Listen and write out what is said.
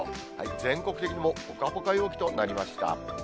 全国的にもぽかぽか陽気となりました。